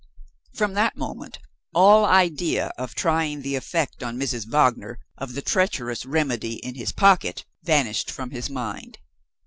From that moment all idea of trying the effect on Mrs. Wagner of the treacherous "remedy" in his pocket vanished from his mind.